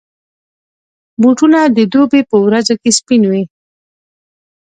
بوټونه د دوبي پر ورځو کې سپین وي.